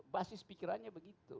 basis pikirannya begitu